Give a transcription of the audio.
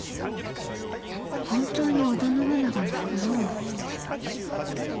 本当に織田信長のクローン？